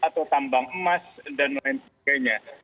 atau tambang emas dan lain sebagainya